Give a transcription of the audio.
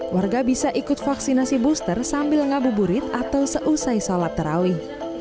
warga bisa ikut vaksinasi booster sambil ngabuburit atau seusai sholat terawih